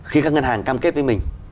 khi các ngân hàng cam kết với mình